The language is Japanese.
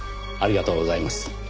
ありがとうございます。